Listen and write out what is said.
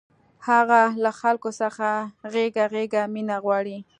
هغه له خلکو څخه غېږه غېږه مینه غواړي